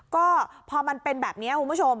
ก็พอมันเป็นแบบนี้คุณผู้ชม